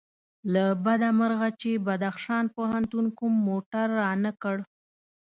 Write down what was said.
له بده مرغه چې بدخشان پوهنتون کوم موټر رانه کړ.